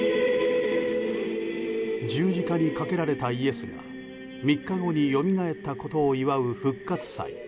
十字架にかけられたイエスが３日後によみがえったことを祝う復活祭。